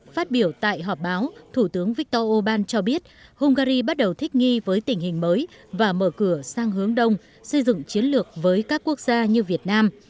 phát biểu tại họp báo thủ tướng viktor orbán cho biết hungary bắt đầu thích nghi với tình hình mới và mở cửa sang hướng đông xây dựng chiến lược với các quốc gia như việt nam